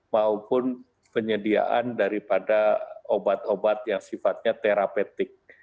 maupun penyediaan daripada obat obat yang sifatnya terapetik